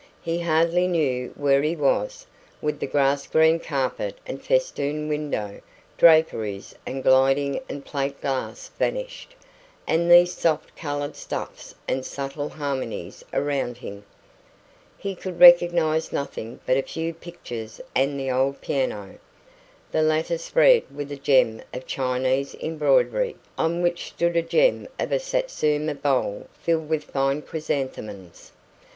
He hardly knew where he was, with the grass green carpet and festooned window draperies and gilding and plate glass vanished, and these soft coloured stuffs and subtle harmonies around him. He could recognise nothing but a few pictures and the old piano, the latter spread with a gem of Chinese embroidery, on which stood a gem of a Satsuma bowl filled with fine chrysanthemums.